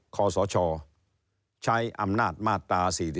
คศชใช้อำนาจมาตร๔๔